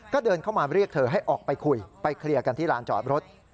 ก็เดินเข้ามาเรียกเธอให้ออกไปคุยไปเคลียร์กันที่ลานจอดรถ